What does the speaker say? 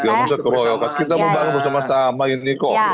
kita mau bangun bersama sama ini kok